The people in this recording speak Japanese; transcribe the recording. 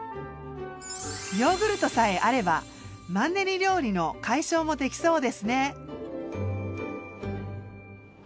ヨーグルトさえあればマンネリ料理の解消もできそうですね。